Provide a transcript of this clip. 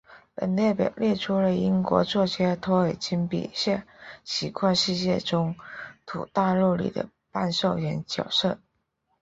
本列表列出了英国作家托尔金笔下奇幻世界中土大陆里的半兽人角色。